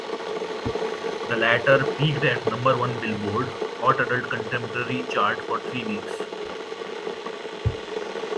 The latter peaked at number one "Billboard" Hot Adult Contemporary chart for three weeks.